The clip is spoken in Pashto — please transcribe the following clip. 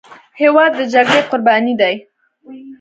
هېواد د جګړې قرباني دی.